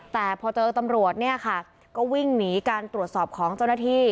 แต่พอเจอตำรวจเนี่ยค่ะก็วิ่งหนีการตรวจสอบของเจ้าหน้าที่